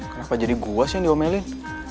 kenapa jadi gua sih yang diomelin